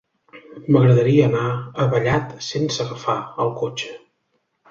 M'agradaria anar a Vallat sense agafar el cotxe.